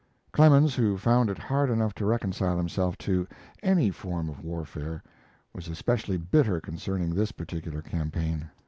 Clemens, who found it hard enough to reconcile himself to any form of warfare, was especially bitter concerning this particular campaign.